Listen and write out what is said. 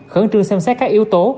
khẩn trương xem xét các yếu tố